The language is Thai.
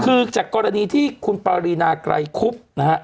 คือจากกรณีที่คุณปารีนาไกรคุบนะฮะ